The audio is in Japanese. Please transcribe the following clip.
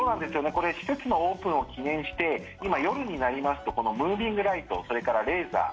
これ、施設のオープンを記念して今、夜になりますとこのムービングライトそれからレーザー